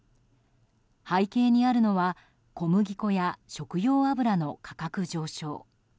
背景にあるのは小麦粉や食用油の価格上昇。